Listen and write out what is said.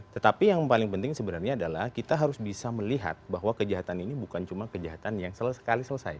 tetapi yang paling penting sebenarnya adalah kita harus bisa melihat bahwa kejahatan ini bukan cuma kejahatan yang sekali selesai